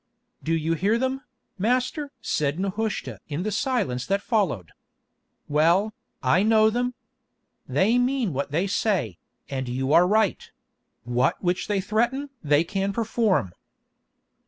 "Do you hear them, master?" said Nehushta in the silence that followed. "Well, I know them. They mean what they say, and you are right—what which they threaten they can perform."